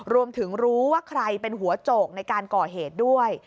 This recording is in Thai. รวมถึงรู้ว่าใครเป็นหัวโจกในการก่อเหตุด้วย